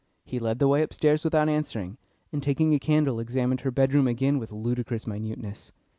He led the way upstairs without answering, and taking a candle, examined her bedroom again with ludicrous minuteness.